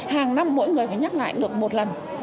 hàng năm mỗi người phải nhắc lại được một lần